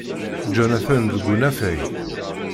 John atan deg unafag.